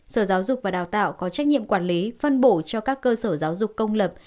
sở giáo dục và đào tạo có trách nhiệm quản lý phân bổ cho các cơ sở giáo dục công lập